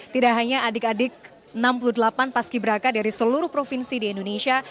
tidak hanya adik adik enam puluh delapan paski beraka dari seluruh provinsi di indonesia